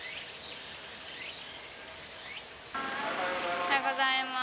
おはようございます。